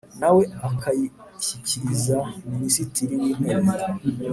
nawe akayashyikiriza minisitiri wi ntebe